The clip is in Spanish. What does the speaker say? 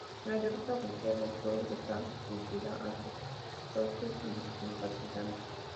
Es la revista oficial del club y está dirigida a sus socios y simpatizantes.